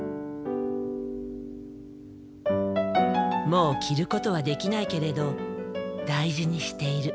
もう着ることはできないけれど大事にしている。